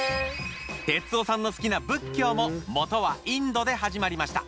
哲夫さんの好きな仏教もモトはインドで始まりました。